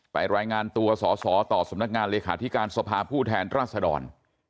รายงานตัวสอสอต่อสำนักงานเลขาธิการสภาผู้แทนราษดร